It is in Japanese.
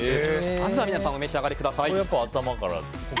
まずは皆さんお召し上がりください。